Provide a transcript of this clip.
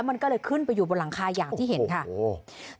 มันก็เลยขึ้นไปอยู่บนหลังคาอย่างที่เห็นค่ะโอ้